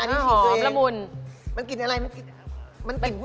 เอออันนี้เป็นไงเวลาอันนี้ฉีดตัวเองมันกลิ่นอะไรมันกลิ่นผู้ชาย